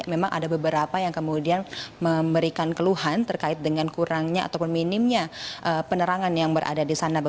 memang ada beberapa yang kemudian memberikan keluhan terkait dengan kurangnya ataupun minimnya penerangan yang berada di sana